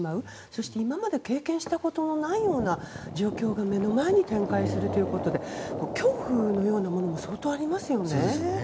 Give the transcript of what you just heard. そして今まで経験したことのないような状況が目の前に展開されていることで恐怖のようなものも相当、ありますよね。